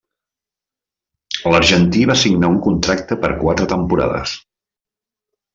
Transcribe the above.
L'argentí va signar un contracte per quatre temporades.